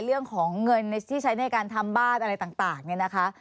เรื่องของเงินที่ใช้ในการทำบ้านอะไรต่างเนี่ยนะคะ